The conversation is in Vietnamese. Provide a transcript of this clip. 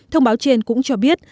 thông báo trên cũng cho biết